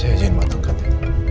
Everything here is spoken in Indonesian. saya ajin matangkan ya